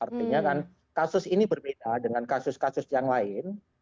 artinya kan kasus ini berbeda dengan kasus kasus yang lain